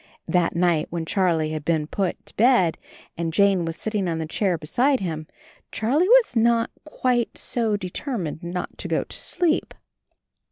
That night when Charlie had been put to bed and Jane was sitting on the chair be side him, Charlie was not quite so deter 88 CHARLIE mined not to go to sleep.